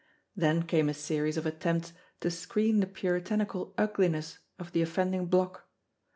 Then came a series of attempts to screen the puritanical ugliness of the offending block.